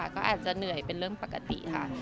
ก็อาจจะเหนื่อยเป็นเรื่องปกติค่ะ